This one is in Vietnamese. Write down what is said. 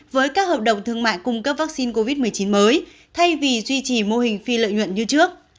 với các hợp đồng thương mại cung cấp vaccine covid một mươi chín mới thay vì duy trì mô hình phi lợi nhuận như trước